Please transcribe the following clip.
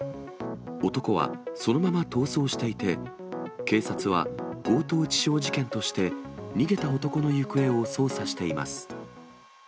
男はそのまま逃走していて、警察は強盗致傷事件として逃げた男の行方を捜査しています。